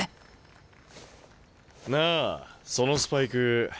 なあそのスパイク。